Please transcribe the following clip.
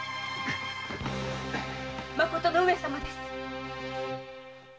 まことの上様です。